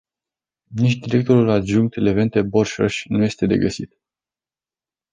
Nici directorul adjunct Levente Borșoș nu este de găsit.